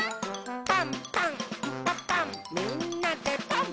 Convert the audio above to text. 「パンパンんパパンみんなでパン！」